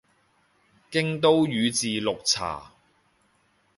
京都宇治綠茶